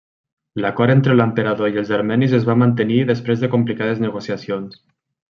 L'acord entre l'emperador i els armenis es va mantenir després de complicades negociacions.